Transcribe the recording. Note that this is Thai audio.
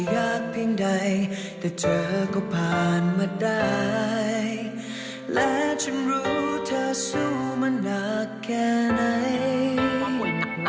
ว่าผ่วยหนักเลยใช่ไหมนี่ตั้งแต่ปั้มหัวใจสามครั้งเลยพอดหัวเมื่อกี้ก็คืออ๋ออ่า